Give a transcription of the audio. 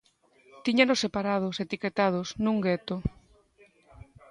Tíñanos separados, etiquetados, nun gueto.